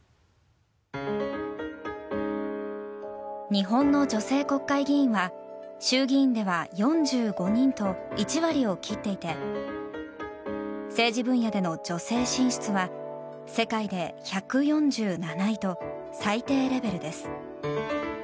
日本の女性国会議員は衆議院では４５人と１割を切っていて政治分野での女性進出は世界で１４７位と最低レベルです。